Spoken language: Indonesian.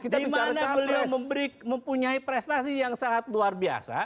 di mana beliau mempunyai prestasi yang sangat luar biasa